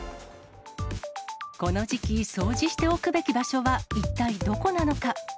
この時期、掃除しておくべき場所は一体どこなのか。